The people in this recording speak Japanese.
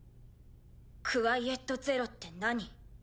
クワイエット・ゼロって何？